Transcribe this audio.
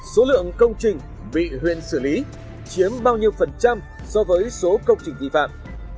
số lượng công trình bị huyện xử lý chiếm bao nhiêu phần trăm so với số công trình vi phạm